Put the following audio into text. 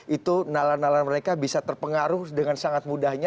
itu nalan nalan mereka bisa terpengaruh dengan sangat mudahnya